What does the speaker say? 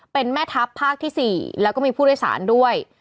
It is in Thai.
เป็นแม่ทัพภาคที่๔แล้วก็มีผู้โดยสารด้วย